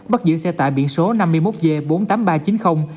bắt giữ xe tải biển số năm mươi một g bốn mươi tám nghìn ba trăm chín mươi